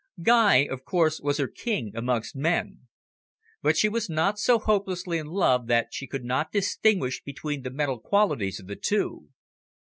Guy, of course, was her king amongst men. But she was not so hopelessly in love that she could not distinguish between the mental qualities of the two.